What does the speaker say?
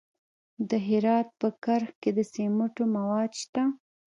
د هرات په کرخ کې د سمنټو مواد شته.